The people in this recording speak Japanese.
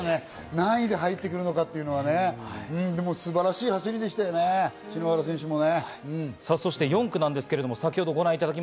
何位で入ってくるのかはね、素晴らしい走りでしたね、篠原選手もね。